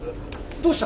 どうした？